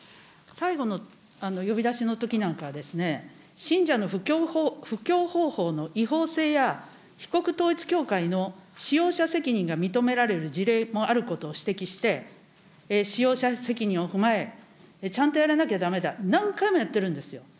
最後の呼び出しのときなんかはですね、信者の布教方法の違法性や、被告統一教会の使用者責任が認められる事例もあることを指摘して、使用者責任を踏まえ、ちゃんとやらなきゃだめだ、何回もやってるんですよ。